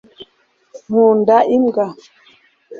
nkunda imbwa